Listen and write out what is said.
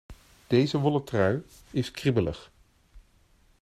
Deze wollen trui is kriebelig.